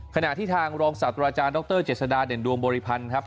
ขณะที่ทางรองศาสตราจารย์ดรเจษฎาเด่นดวงบริพันธ์ครับ